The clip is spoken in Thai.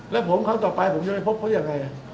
และขั้นต่อไปผมจะมาพบเขาจะยังไง